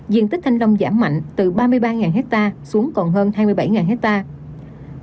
diện tích thanh long giảm mạnh từ ba mươi ba hectare xuống còn hơn hai mươi bảy hectare